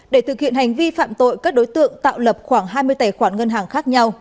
để thực hiện hành vi phạm tội các đối tượng tạo lập khoảng hai mươi tài khoản ngân hàng khác nhau